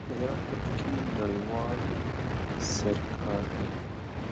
افغانستان د هرات په برخه کې نړیوالو سره کار کوي.